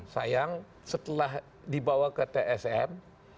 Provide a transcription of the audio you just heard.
sayang setelah dibawa ke tsm